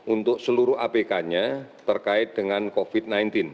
untuk seluruh apk nya terkait dengan covid sembilan belas